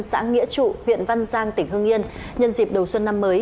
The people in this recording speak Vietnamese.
xã nghĩa trụ huyện văn giang tỉnh hương yên nhân dịp đầu xuân năm mới